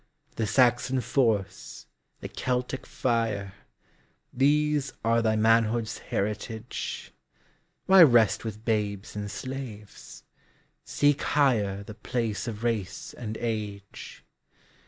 The Saxon force, the Celtic fire, These are thy manhood's heritage! Why rest with babes and slaves? Seek higherThe place of race and age.